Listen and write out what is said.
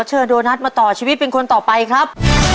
เชิญโดนัทมาต่อชีวิตเป็นคนต่อไปครับ